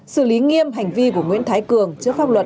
xử lý nghiêm hành vi của nguyễn thái cường trước pháp luật